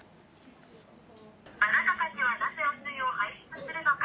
あなたたちはなぜ汚水を排出するのか。